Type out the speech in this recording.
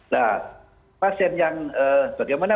nah pasien yang bagaimana